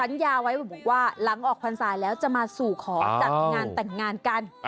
ยาไว้บอกว่าหลังออกพรรษาแล้วจะมาสู่ขอจัดงานแต่งงานกัน